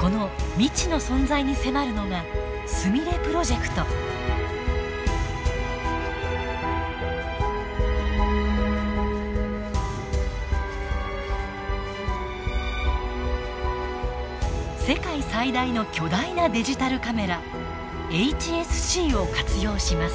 この未知の存在に迫るのが世界最大の巨大なデジタルカメラＨＳＣを活用します。